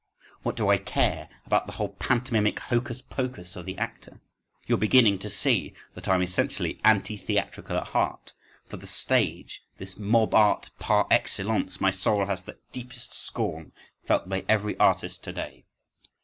What do I care about the whole pantomimic hocus pocus of the actor? You are beginning to see that I am essentially anti theatrical at heart. For the stage, this mob art par excellence, my soul has that deepest scorn felt by every artist to day.